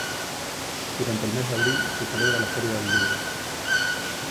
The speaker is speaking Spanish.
Durante el mes de abril se celebra la Feria del Libro.